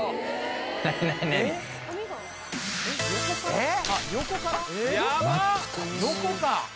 えっ？